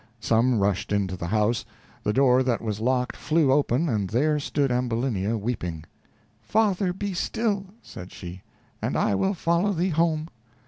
Some rushed into the house; the door that was locked flew open, and there stood Ambulinia, weeping. "Father, be still," said she, "and I will follow thee home."